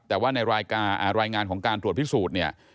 แต่ว่าในรายงานของการตรวจพิสูจน์เนี่ย